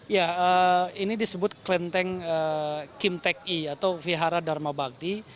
ya ini disebut kelenteng kim tek i atau vihara dharma bhakti